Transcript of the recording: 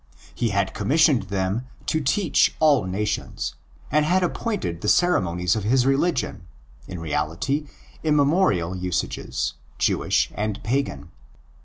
He had commissioned them to teach all nations, and had appointed the ceremonies of his religion—in reality, immemorial usages, Jewish and pagan.